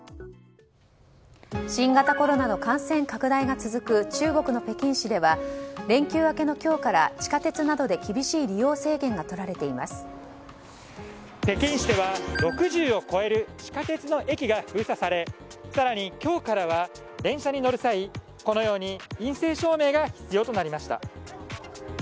新型コロナの感染拡大が続く中国の北京市では連休明けの今日から地下鉄などで厳しい利用制限が北京市では６０を超える地下鉄の駅が封鎖され更に今日からは電車に乗る際、このように陰性証明が必要となりました。